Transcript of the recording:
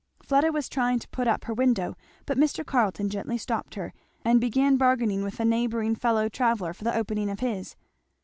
Fleda was trying to put up her window, but Mr. Carleton gently stopped her and began bargaining with a neighbouring fellow traveller for the opening of his.